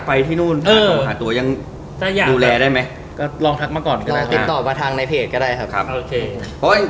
คิดถึงในเวลาน่ะโมเม้นท์นั้นเนี้ย